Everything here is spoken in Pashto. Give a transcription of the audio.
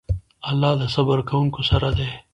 الله د صبر کوونکو سره دی.